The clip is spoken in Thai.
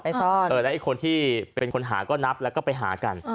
แล้วอีกคนที่เป็นคนหาก็นับแล้วก็ไปหากัน